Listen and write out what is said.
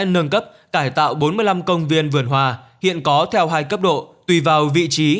nâng cấp cải tạo bốn mươi năm công viên vườn hòa hiện có theo hai cấp độ tùy vào vị trí